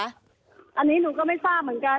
อันนี้หนูก็ไม่ทราบเหมือนกัน